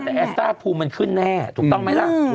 แต่แอสต้าภูมิมันขึ้นแน่ถูกต้องไหมล่ะ